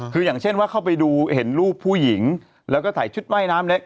คืออย่างเช่นว่าเข้าไปดูเห็นรูปผู้หญิงแล้วก็ใส่ชุดว่ายน้ำเล็ก